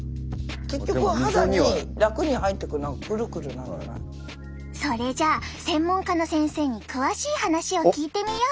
全然でもそれじゃあ専門家の先生に詳しい話を聞いてみよう！